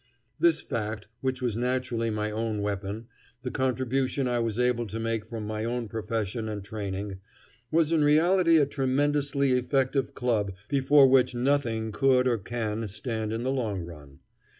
This "fact," which was naturally my own weapon, the contribution I was able to make from my own profession and training, was in reality a tremendously effective club before which nothing could or can stand in the long run.